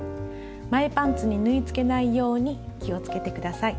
前パンツに縫いつけないように気をつけて下さい。